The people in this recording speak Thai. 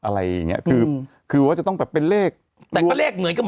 อะไรอย่างเงี้ยคือคือว่าจะต้องแบบเป็นเลขแต่ก็เลขเหมือนกัน